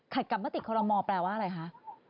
กับมติคอรมอลแปลว่าอะไรคะ